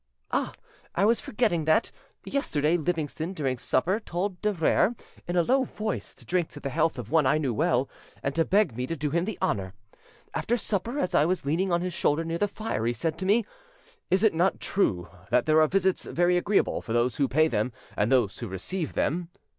"Ah! I was forgetting that. Yesterday Livingston during supper told de Rere in a low voice to drink to the health of one I knew well, and to beg me to do him the honour. After supper, as I was leaning on his shoulder near the fire, he said to me, 'Is it not true that there are visits very agreeable for those who pay them and those who receive them?